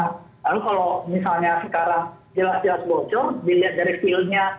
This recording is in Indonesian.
lalu kalau misalnya sekarang jelas jelas bocor dilihat dari feelnya